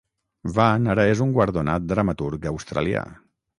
Van ara és un guardonat dramaturg australià.